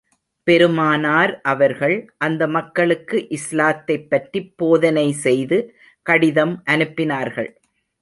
பெருமானார் அவர்கள், அந்த மக்களுக்கு இஸ்லாத்தைப் பற்றிப் போதனை செய்து கடிதம் அனுப்பினார்கள்.